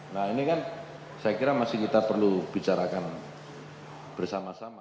nah ini kan saya kira masih kita perlu bicarakan bersama sama